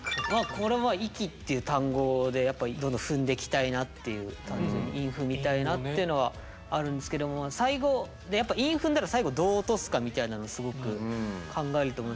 これは「いき」っていう単語でやっぱりどんどん踏んできたいなっていう単純に韻踏みたいなっていうのはあるんですけども最後でやっぱ韻踏んだら最後どう落とすかみたいなのをすごく考えると思うんですけど